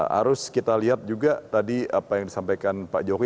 harus kita lihat juga tadi apa yang disampaikan pak jokowi